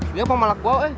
dia pemalak bawah ya